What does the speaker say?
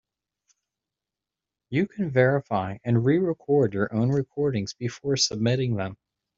You can verify and re-record your own recordings before submitting them.